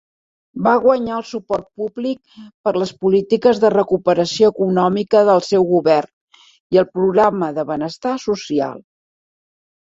Va guanyar el suport públic per a les polítiques de recuperació econòmica del seu govern i el programa de benestar social.